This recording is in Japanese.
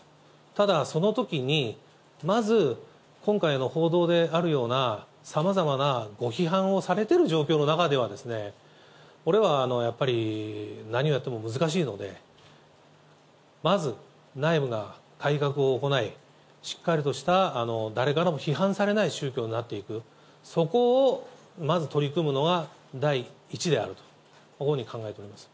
ただ、そのときにまず今回の報道であるような、さまざまなご批判をされてる状況の中では、これはやっぱり何をやっても難しいので、まず内部が改革を行い、しっかりとした、誰からも批判されない宗教になっていく、そこをまず取り組むのが第一であると、こういうふうに考えております。